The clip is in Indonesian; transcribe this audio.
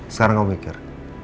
sekarang kamu pikir